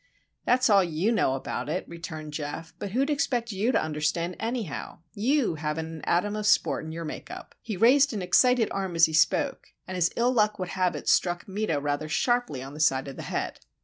"That's all you know about it," returned Geof. "But who'd expect you to understand, anyhow? You haven't an atom of sport in your make up!" He raised an excited arm as he spoke, and as ill luck would have it struck Meta rather sharply on the side of the head.